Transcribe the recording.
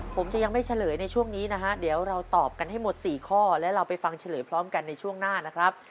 ผมจะยังไม่เฉลยในช่วงนี้นะฮะเดี๋ยวเราตอบกันให้หมด๔ข้อและเราไปฟังเฉลยพร้อมกันในช่วงหน้านะครับ